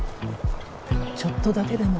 ちょっとだけでも。